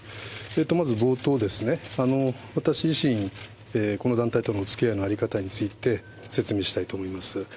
まず冒頭、私自身、この団体とのつきあいの在り方について説明したいと思います。